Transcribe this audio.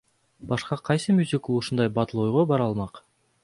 Башка кайсы мюзикл ушундай батыл ойго бара алмак?